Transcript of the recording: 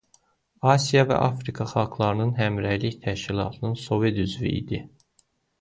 Asiya və Afrika Xalqlarının Həmrəylik Təşkilatının Sovet üzvü idi.